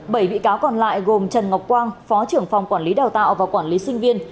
bảy bị cáo còn lại gồm trần ngọc quang phó trưởng phòng quản lý đào tạo và quản lý sinh viên